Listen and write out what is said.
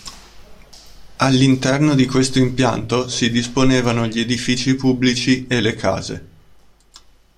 All´interno di questo impianto si disponevano gli edifici pubblici e le case.